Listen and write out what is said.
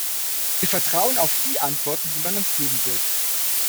Wir vertrauen auf die Antworten, die man uns geben wird.